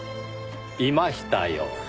いましたよ